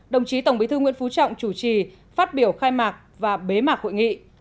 đồng chí tổng bí thư nguyễn phú trọng chủ trì phát biểu khai mạc và bế mạc hội nghị